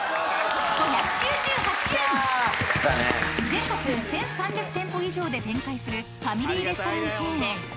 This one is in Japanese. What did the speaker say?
［全国１，３００店舗以上で展開するファミリーレストランチェーン］